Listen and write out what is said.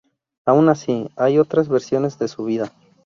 Aun así, hay otras versiones de su vida.